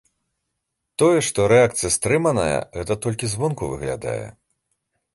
Тое, што рэакцыя стрыманая, гэта так толькі звонку выглядае.